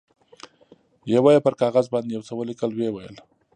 یوه یې پر کاغذ باندې یو څه ولیکل، ویې ویل.